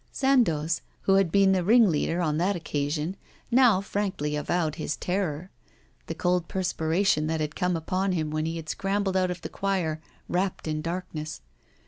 Sandoz, who had been the ringleader on that occasion, now frankly avowed his terror; the cold perspiration that had come upon him when he had scrambled out of the choir, wrapt in darkness.